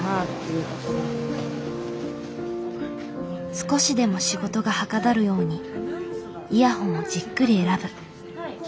少しでも仕事がはかどるようにイヤホンをじっくり選ぶ。